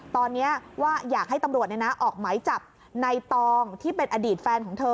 ตอนนี้ว่าอยากให้ตำรวจออกไหมจับในตองที่เป็นอดีตแฟนของเธอ